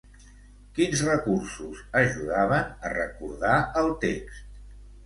Quins recursos ajudaven a recordar el text?